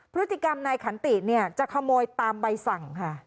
พฤติกรรมนายขันติเนี่ยจะขโมยตามใบสั่งค่ะ